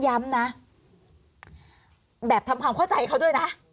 ย้ำนะแบบทำความเข้าใจเขาด้วยนะ